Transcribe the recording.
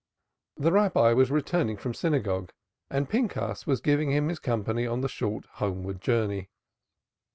The Rabbi was returning from synagogue and Pinchas was giving him his company on the short homeward journey.